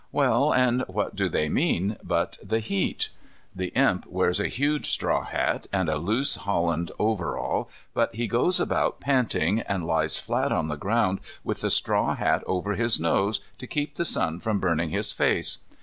Well, and what do they mean but the heat? The Imp wears a huge straw hat and a loose holland overall but he goes about panting, and lies flat on the ground with the straw hat over his nose to keep the sun from burning his face.